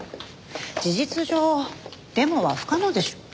事実上デモは不可能でしょう。